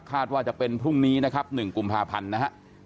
ว่าจะเป็นพรุ่งนี้นะครับ๑กุมภาพันธ์นะฮะ